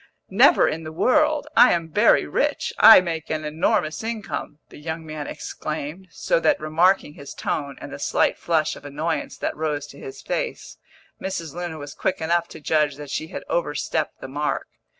"Never in the world I am very rich; I make an enormous income!" the young man exclaimed; so that, remarking his tone, and the slight flush of annoyance that rose to his face, Mrs. Luna was quick enough to judge that she had overstepped the mark.